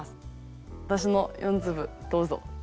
私の４粒どうぞ。